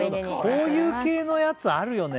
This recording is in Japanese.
こういう系のやつあるよね